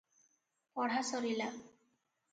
ପଢ଼ା ସରିଲା ।